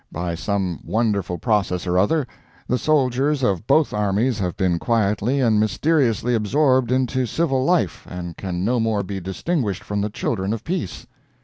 By some wonderful process or other, the soldiers of both armies have been quietly and mysteriously absorbed into civil life, and can no more be distinguished from the children of peace.